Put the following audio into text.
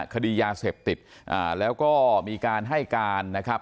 คดียาเสพติดแล้วก็มีการให้การนะครับ